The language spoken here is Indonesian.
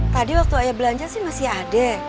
tadi waktu ayah belanja sih masih adek